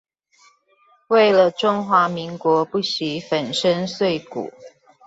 為了中華民國不惜粉身碎骨